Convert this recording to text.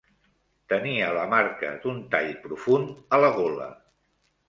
Tenia la marca d'un tall profund a la gola.